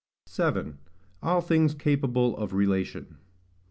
7. All Things capable of Relation.